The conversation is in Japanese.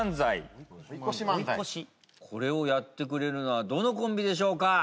これをやってくれるのはどのコンビでしょうか？